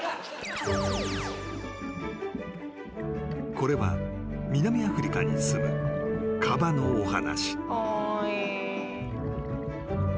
［これは南アフリカにすむカバのお話］